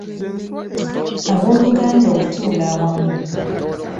Abooluganda okutuula awamu.